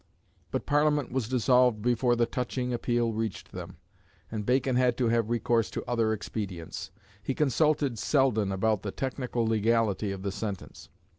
But Parliament was dissolved before the touching appeal reached them; and Bacon had to have recourse to other expedients. He consulted Selden about the technical legality of the sentence.